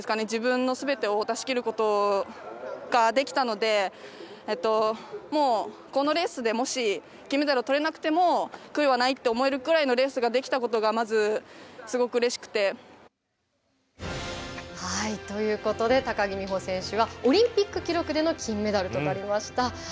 自分のすべてを出し切ることができたのでこのレースでもし金メダルを取れなくても悔いはないと思えるくらいのレースができたことがまずすごくうれしくて。ということで高木美帆選手はオリンピック記録での金メダルとなりました。